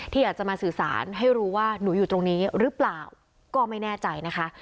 อยากจะมาสื่อสารให้รู้ว่าหนูอยู่ตรงนี้หรือเปล่าก็ไม่แน่ใจนะคะ